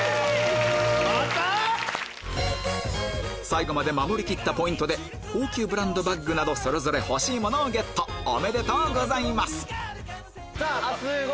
最後まで守り切ったポイントで高級ブランドバッグなどそれぞれ欲しいものをゲットおめでとうございます